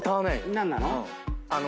何なの？